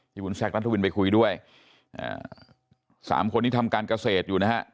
พี่บุญแซกรัฐวินไปคุยด้วย๓คนนี้ทำการเกษตรอยู่นะครับ